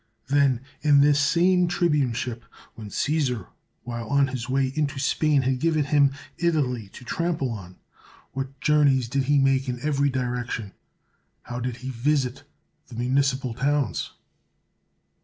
Then in this same tribuneship, when Csesar while on his way into Spain had given him Italy to trample on, what journeys did he make in every direction ! how did he visit the municipal towns